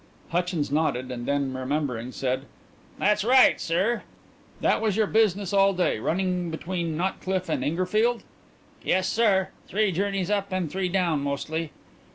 Hutchins nodded, and then, remembering, said: "That's right, sir." "That was your business all day running between Notcliff and Ingerfield?" "Yes, sir. Three journeys up and three down mostly."